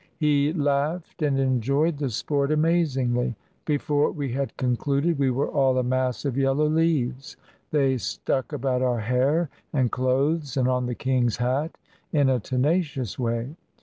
He laughed and enjoyed the sport amazingly. Before we had concluded, we were all a mass of yellow leaves; they stuck about our hair and clothes and on the king's hat in a tenacious way.